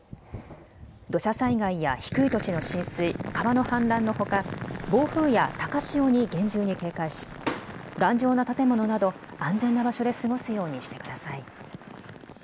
土砂災害や低い土地の浸水、川の氾濫のほか、暴風や高潮に厳重に警戒し頑丈な建物など安全な場所で過ごすようにしてください。